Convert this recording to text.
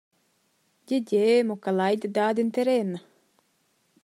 Gie, gie, mo calei da dar denteren.